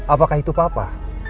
apakah itu papa